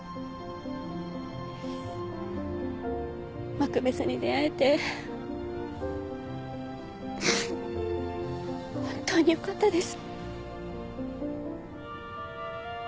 マクベスに出会えて本当によかったです。